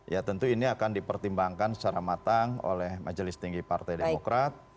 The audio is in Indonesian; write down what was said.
ya tentu ini akan dipertimbangkan secara matang oleh majelis tinggi partai demokrat